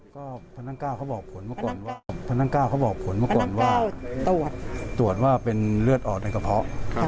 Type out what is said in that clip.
ก็พนัก๙เขาบอกผลมาก่อนว่าพนัก๙เขาบอกผลมาก่อนว่าตรวจว่าเป็นเลือดออกในกระเพาะ